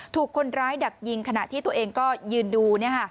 ถูกคนร้ายดักยิงขณะที่ตัวเองก็ยืนดู